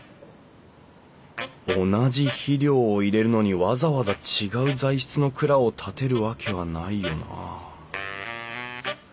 同じ肥料を入れるのにわざわざ違う材質の蔵を建てるわけはないよな